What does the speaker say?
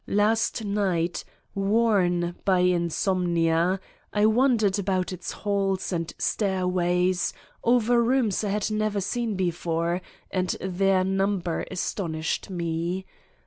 Last night, worn by insomnia, I wandered about its halls and stairways, over rooms I had never seen before and their number astonished me.